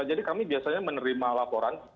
jadi kami biasanya menerima laporan